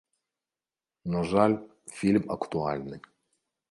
На жаль, фільм актуальны.